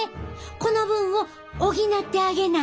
この分を補ってあげな。